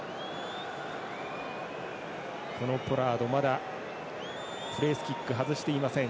このポラード、まだプレースキック外していません。